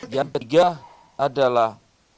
yang ketiga adalah